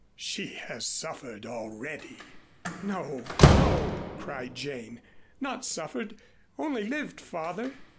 "She has suffered already." "No, no!" cried Jane. "Not suffered only lived, father."